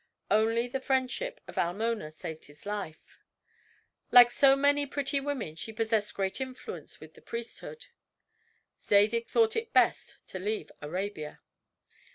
Only the friendship of Almona saved his life. Like so many pretty women she possessed great influence with the priesthood. Zadig thought it best to leave Arabia.